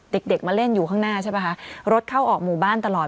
เด็กเด็กมาเล่นอยู่ข้างหน้าใช่ป่ะคะรถเข้าออกหมู่บ้านตลอด